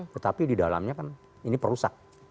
tetapi di dalamnya kan ini perusak